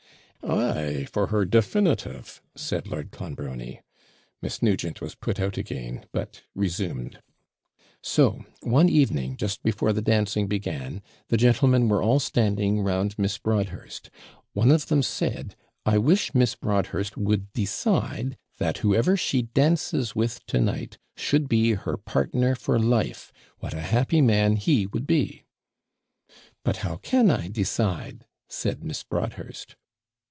'Ay, for her definitive!' said Lord Clonbrony. Miss Nugent was put out again, but resumed 'So one evening, just before the dancing began, the gentlemen were all standing round Miss Broadhurst; one of them said, "I wish Miss Broadhurst would decide that whoever she dances with to night should be her partner for life; what a happy man he would be!" '"But how can I decide?" said Miss Broadhurst.